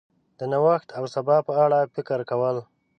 د نوښت او سبا په اړه فکر کول